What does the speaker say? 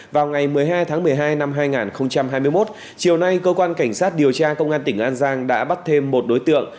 vào ngày một mươi hai tháng một mươi hai năm hai nghìn hai mươi một chiều nay cơ quan cảnh sát điều tra công an tỉnh an giang đã bắt thêm một đối tượng